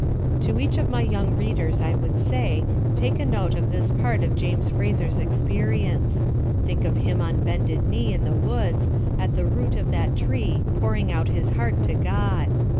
To each of my young readers I would say, take a note of this part of James Fraser's experience. Think of him on bended knee in the woods, at the root of that tree, pouring out his heart to God.